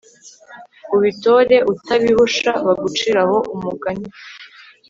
Ubitore utabihusha Bagucire ho umugani